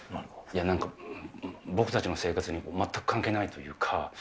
いや、なんか、僕たちの生活に全く関係ないというか。